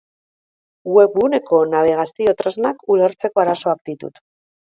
Webguneko nabigazio-tresnak ulertzeko arazoak ditut.